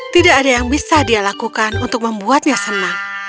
tidak ada yang bisa dia lakukan untuk membuatnya senang